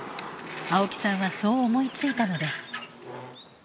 青木さんはそう思いついたのです。